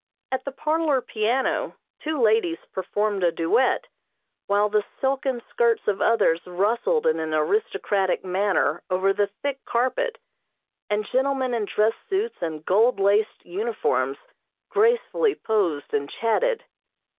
At the parlor piano two ladies performed a duet, while the silken skirts of others rustled in an aristocratic manner over the thick carpet, and gentlemen in dress suits and gold laced uniforms gracefully posed and chatted.